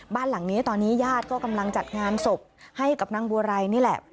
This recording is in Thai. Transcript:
บ้านหลังนี้ตอนนี้ญาติก็กำลังจัดงานศพให้กับนางบัวไรนี่แหละ